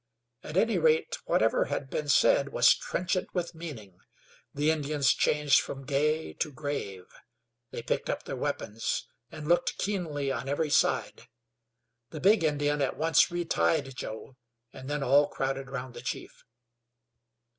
At any rate, whatever had been said was trenchant with meaning. The Indians changed from gay to grave; they picked up their weapons and looked keenly on every side; the big Indian at once retied Joe, and then all crowded round the chief.